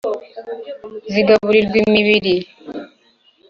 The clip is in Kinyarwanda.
Zigaburirwa imibiri